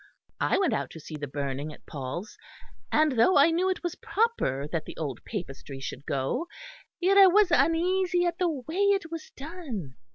I went out to see the burning at Paul's, and though I knew it was proper that the old papistry should go, yet I was uneasy at the way it was done.